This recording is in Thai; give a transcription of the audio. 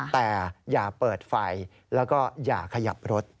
แต่อย่าเปิดไฟแล้วก็อย่าขยับรถ